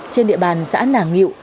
trên địa bàn xã nàng nghiệu